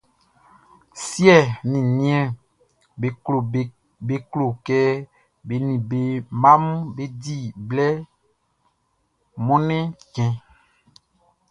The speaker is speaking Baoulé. Siɛ ni niɛnʼm be klo kɛ be ni be mmaʼm be di blɛ Mɔnnɛn chtɛnʼn.